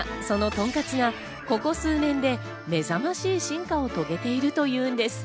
ところが、そのとんかつがここ数年で目覚しい進化を遂げているというんです。